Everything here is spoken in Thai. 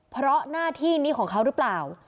เพราะหน้าที่นี้ของเขาหรือเปล่า